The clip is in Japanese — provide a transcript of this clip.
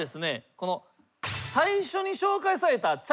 この。